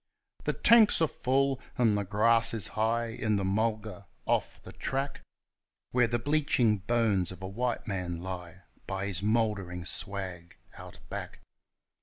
The tanks are full and the grass is high in the mulga off the track, Where the bleaching bones of a white man lie by his mouldering swag Out Back.